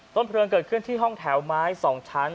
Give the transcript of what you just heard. เพลิงเกิดขึ้นที่ห้องแถวไม้๒ชั้น